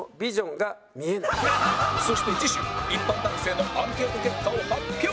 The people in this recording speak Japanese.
そして次週一般男性のアンケート結果を発表！